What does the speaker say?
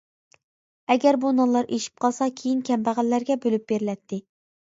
ئەگەر بۇ نانلار ئېشىپ قالسا كېيىن كەمبەغەللەرگە بۆلۈپ بېرىلەتتى.